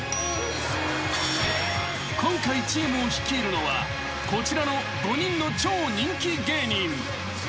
［今回チームを率いるのはこちらの５人の超人気芸人］